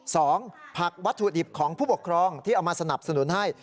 ผักวัตถุดิบของผู้ปกครองที่เอามาสนับสนุนให้